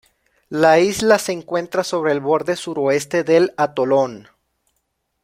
La isla se encuentra sobre el borde suroeste del atolón.